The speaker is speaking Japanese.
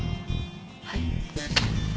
はい？